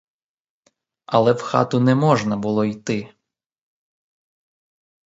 Але в хату не можна було йти.